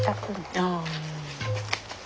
ああ。